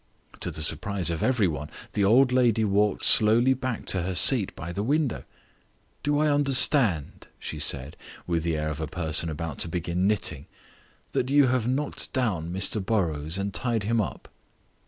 To the surprise of every one the old lady walked slowly back to her seat by the window. "Do I understand," she said, with the air of a person about to begin knitting, "that you have knocked down Mr Burrows and tied him up?"